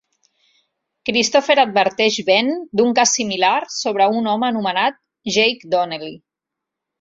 Christopher adverteix Ben d'un cas similar sobre un home anomenat Jake Donnelly.